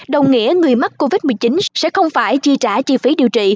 đồng nghĩa người mắc covid một mươi chín sẽ không phải chi trả chi phí điều trị